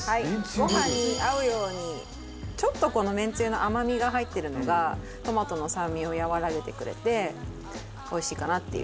ご飯に合うようにちょっとこのめんつゆの甘みが入ってるのがトマトの酸味を和らげてくれておいしいかなっていう。